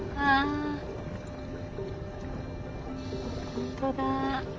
本当だ。